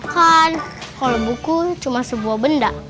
kan kalau buku cuma sebuah benda